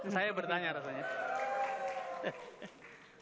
saya bertanya rasanya